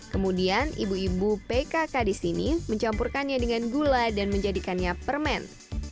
kemudian ibu ibu pkk di sini mencampurkannya dengan gula dan menjadikannya permen